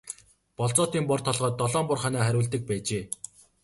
Болзоотын бор толгойд долоон бор хонио хариулдаг байжээ.